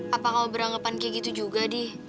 apa kamu beranggapan kayak gitu juga di